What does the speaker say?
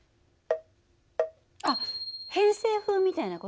あっ偏西風みたいな事？